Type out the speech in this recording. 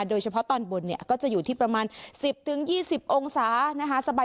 โดยเฉพาะตอนบนเนี่ยก็จะอยู่ที่ประมาณ๑๐๒๐องศานะคะ